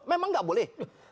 memang tidak boleh